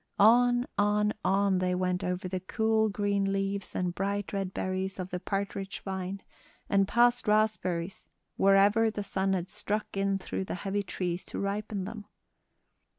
On, on, on they went over the cool, green leaves and bright red berries of the partridge vine, and past raspberries wherever the sun had struck in through the heavy trees to ripen them.